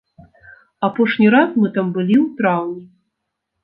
Апошні раз мы там былі ў траўні.